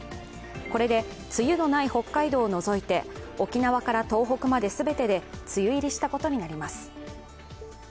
これで梅雨のない北海道を除いて沖縄から東北まで全てで梅雨入りしたことになります。